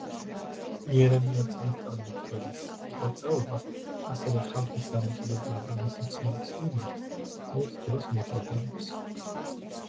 იერემია წინასწარმეტყველის მოღვაწეობა, ასევე ხალხის დამოკიდებულება მისი ცნობის მიმართ, ჩვენს დროს მოგვაგონებს.